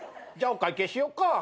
じゃあお会計しようか。